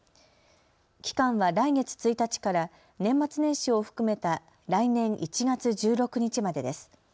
期間は来月１日から年末年始を含めた来年１月１６日までです。